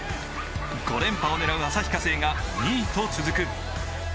５連覇を狙う旭化成が２位と続く。